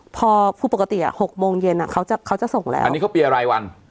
พอปกติ๖โมงเย็นเขาจะเขาจะส่งแล้วอันนี้เขาเปียรายวัน